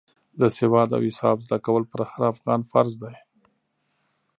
د سواد او حساب زده کول پر هر افغان فرض دی.